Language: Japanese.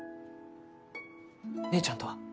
姉ちゃんとは？